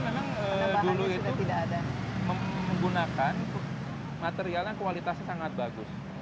ya karena memang dulu itu menggunakan materialnya kualitasnya sangat bagus